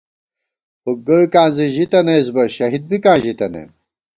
فُک گوئیکاں زی ژِتَنَئیس بہ، شہید بِکاں ژِتَنَئیم